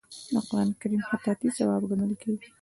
د قران کریم خطاطي ثواب ګڼل کیږي.